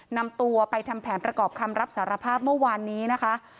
นำตัวไปทำแผนประกอบคำรับสารภาพเมื่อวานนี้นะคะ